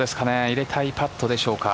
入れたいパットでしょうか。